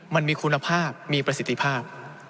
มันมีคุณภาพมีประสิทธิภาพ